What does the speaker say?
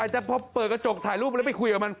แต่พอเปิดกระจกถ่ายรูปแล้วไปคุยกับมัน